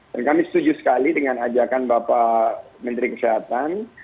dan kami setuju sekali dengan ajakan bapak menteri kesehatan